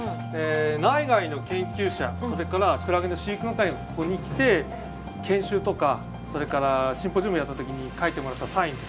内外の研究者それからクラゲの飼育係がここに来て研修とかそれからシンポジウムをやった時に書いてもらったサインです。